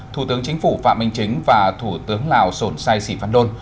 thủ tướng chính phủ phạm minh chính và thủ tướng lào sổn sai sĩ phan đôn